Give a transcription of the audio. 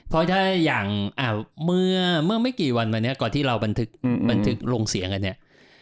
เพราะถ้าอย่างเมื่อไม่กี่วันมาเนี่ยก่อนที่เราบันทึกลงเสียงกันเนี่ย